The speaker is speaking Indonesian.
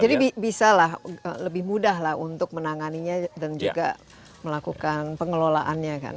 jadi bisa lah lebih mudah untuk menanganinya dan juga melakukan pengelolaannya kan